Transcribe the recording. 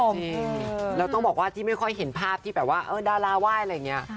จริงแล้วต้องบอกว่าที่ไม่ค่อยเห็นภาพที่แบบว่าดาราไหว้อะไรอย่างนี้